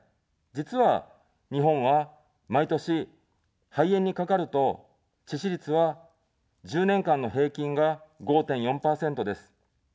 実は、日本は毎年、肺炎にかかると、致死率は１０年間の平均が５．４％です。